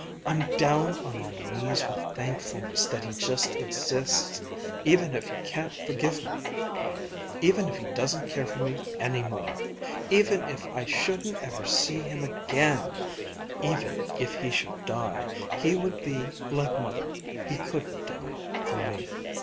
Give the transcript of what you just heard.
I'm down on my knees with thankfulness that he just exists, even if he can't forgive me even if he doesn't care for me any more even if I shouldn't ever see him again even if he should die he would be like Mother, he couldn't die, for me.